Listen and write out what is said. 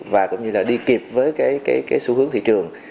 và cũng như là đi kịp với cái xu hướng thị trường